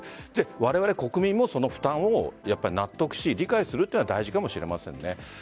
われわれ国民もその負担を納得し、理解するというのが大事かもしれませんね。